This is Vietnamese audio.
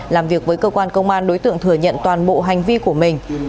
làm việc với cơ quan công an đối tượng thừa nhận toàn bộ hành vi của mình